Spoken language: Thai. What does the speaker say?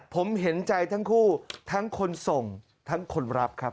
ผมเห็นใจทั้งคู่ทั้งคนส่งทั้งคนรับครับ